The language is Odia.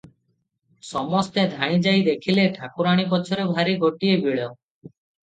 ସମସ୍ତେ ଧାଇଁଯାଇ ଦେଖିଲେ, ଠାକୁରାଣୀ ପଛରେ ଭାରି ଗୋଟିଏ ବିଳ ।